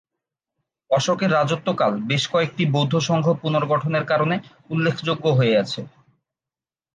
অশোকের রাজত্বকাল বেশ কয়েকটি বৌদ্ধসংঘ পুনর্গঠনের কারণে উল্লেখযোগ্য হয়ে আছে।